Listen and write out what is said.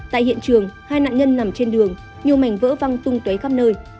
tại hiện trường hai nạn nhân nằm trên đường nhiều mảnh vỡ văng tung té khắp nơi